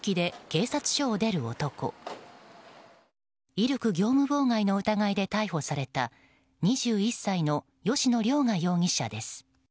威力業務妨害の疑いで逮捕された２１歳の吉野凌雅容疑者です。